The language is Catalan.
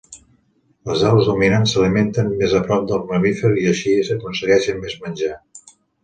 Les aus dominants s'alimenten més a prop del mamífer i així aconsegueixen més menjar.